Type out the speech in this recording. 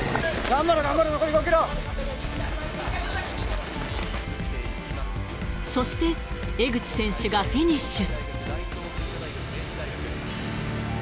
頑張ろ、そして、江口選手がフィニッシュ。